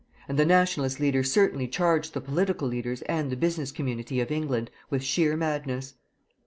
And the "Nationalist" leader certainly charged the political leaders and the business community of England with sheer madness.